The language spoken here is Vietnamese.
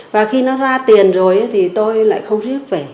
và khi nó ra tiền rồi thì tôi lại không riết về